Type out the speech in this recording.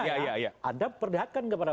ya iya iya iya anda perlihatkan kepada